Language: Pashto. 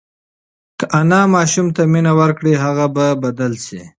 که انا ماشوم ته مینه ورکړي، هغه به بدل شي.